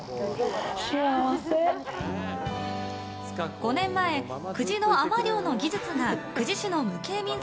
５年前、久慈の海女漁の技術が久慈市の無形民俗